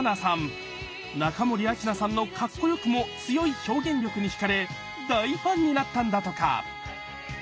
中森明菜さんのカッコよくも強い表現力に惹かれ大ファンになったんだとか。